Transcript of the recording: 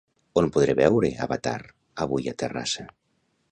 On podré veure "Avatar" avui a Terrassa?